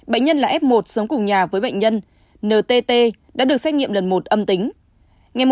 bệnh nhân là f một sống cùng nhà với bệnh nhân n t t đã được xét nghiệm lần một âm tính